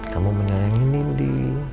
kamu menyayangi nindi